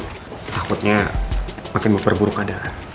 takutnya makin berperburuk keadaan